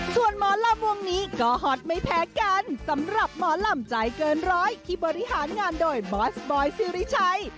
ส่วนหมอลำวงนี้ก็ฮอตไม่แพ้กันสำหรับหมอลำใจเกินร้อยที่บริหารงานโดยบอสบอยสิริชัย